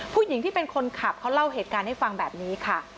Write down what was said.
ผู้หญิงที่เป็นคนขับเขาเล่าเหตุการณ์ให้ฟังแบบนี้ค่ะ